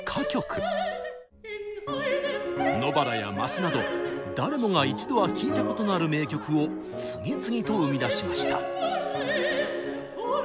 「野ばら」や「ます」など誰もが一度は聴いたことのある名曲を次々と生み出しました。